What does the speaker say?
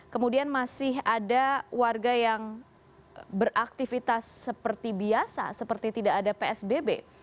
kemudian masih ada warga yang beraktivitas seperti biasa seperti tidak ada psbb